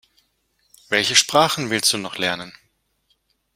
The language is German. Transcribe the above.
Welche Sprachen willst du noch lernen?